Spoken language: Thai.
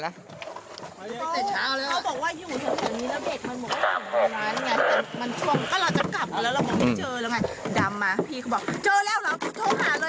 ดำมาพี่เขาบอกเจอแล้วเราติดโทษหาเลย